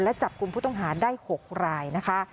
และจับกลุ่มผู้ต้องหาได้๖รายนะคะ